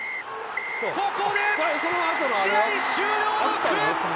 ここで試合終了の笛！